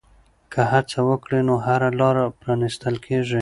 که هڅه وکړې نو هره لاره پرانیستل کېږي.